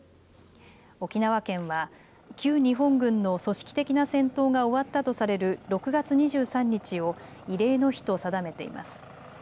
沖縄県は旧日本軍の組織的な戦闘が終わったとされる６月２３日を慰霊の日と定めています。